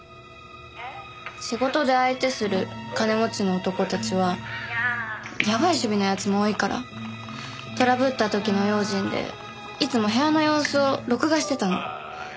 仕事で相手する金持ちの男たちはやばい趣味の奴も多いからトラブった時の用心でいつも部屋の様子を録画してたの。